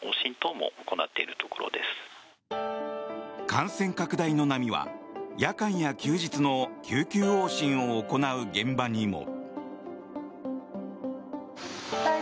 感染拡大の波は夜間や休日の救急往診を行う現場にも。